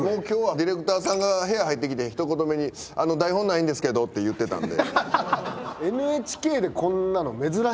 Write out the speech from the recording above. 今日はディレクターさんが部屋入ってきてひと言目に「台本ないんですけど」って言ってたので。